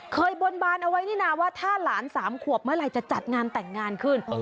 เคยบนบานเอาไว้นี่นะว่าถ้าหลาน๓ขวบเมื่อไหร่จะจัดงานแต่งงานขึ้น